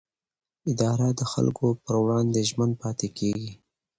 اداره د خلکو پر وړاندې ژمن پاتې کېږي.